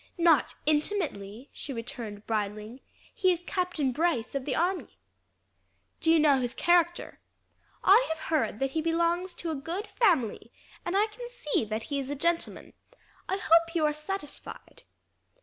"Not intimately," she returned, bridling. "He is Captain Brice of the army." "Do you know his character?" "I have heard that he belongs to a good family, and I can see that he is a gentleman. I hope you are satisfied."